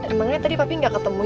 emangnya tadi papi gak ketemu ya